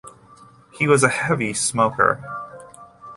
He was a heavy smoker.